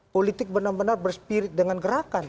politik benar benar berspirit dengan gerakan